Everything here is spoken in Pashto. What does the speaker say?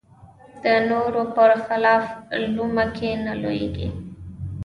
د نورو بر خلاف لومه کې نه لویېږي